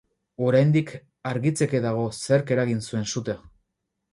Oraindik argitzeke dago zerk eragin zuen sutea.